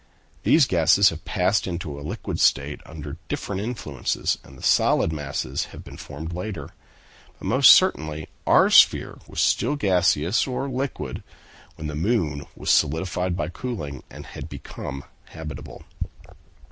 These gases have passed into a liquid state under different influences, and the solid masses have been formed later. But most certainly our sphere was still gaseous or liquid, when the moon was solidified by cooling, and had become habitable."